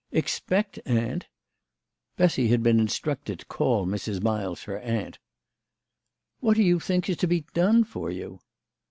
"Expect, aunt !" Bessy had been instructed to call Mrs. Miles her aunt. " What do you think is to be done for you